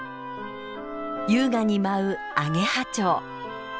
優雅に舞うアゲハチョウ。